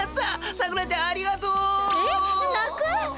さくらちゃんありがとう。えっ？なく！？